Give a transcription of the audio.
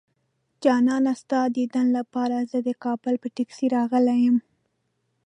جانانه ستا ديدن لپاره زه د کابله په ټکسي راغلی يمه